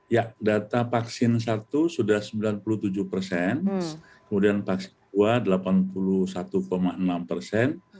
ya data vaksin satu sudah sembilan puluh tujuh persen kemudian vaksin dua delapan puluh satu enam persen